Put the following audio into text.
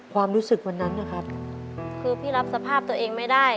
ความรู้สึกวันนั้นนะครับคือพี่รับสภาพตัวเองไม่ได้